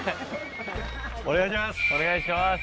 お願いします。